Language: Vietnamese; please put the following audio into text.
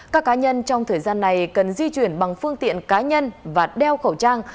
các cá nhân trong thời gian này cần di chuyển bằng phương tiện cá nhân và đeo khẩu trang